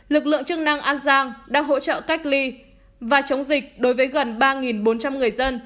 lực lượng chức năng an giang đã hỗ trợ cách ly và chống dịch đối với gần ba bốn trăm linh người dân